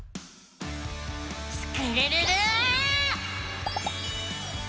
スクるるる！